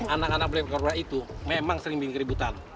anak anak black cobra itu memang sering bikin keributan